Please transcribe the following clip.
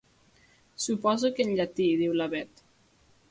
Suposo que en llatí—diu la Bet.